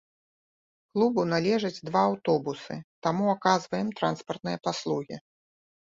Клубу належаць два аўтобусы, таму аказваем транспартныя паслугі.